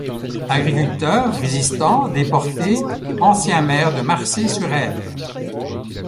Agriculteur, résistant, déporté, ancien maire de Marcé-sur-Esves.